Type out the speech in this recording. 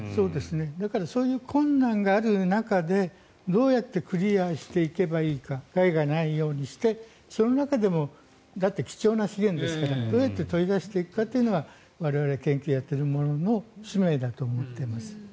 だからそういう困難がある中でどうやってクリアしていけばいいか害がないようにして、その中でも貴重な資源ですからどうやって取り出していくかというのは我々研究をやっているものの使命だと思っています。